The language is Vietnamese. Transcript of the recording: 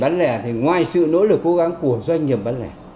bán lẻ thì ngoài sự nỗ lực cố gắng của doanh nghiệp bán lẻ